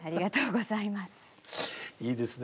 いいですね